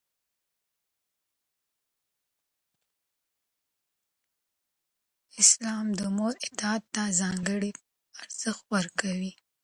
اسلام د مور اطاعت ته ځانګړی ارزښت ورکوي.